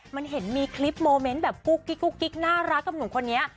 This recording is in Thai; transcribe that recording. มันเห็นมีคลิปโมเมนต์แบบกุ๊กกิ๊กน่ารักกับหนุ่มคนนี้